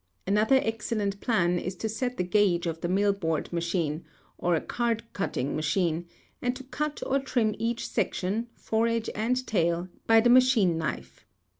Another excellent plan is to set the gauge of the |43| mill board machine, or a card cutting machine, and to cut or trim each section, foredge and tail, by the machine knife.